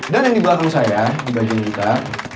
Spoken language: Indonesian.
dan yang di belakang saya di bagian kita